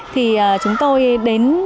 thì chúng tôi đến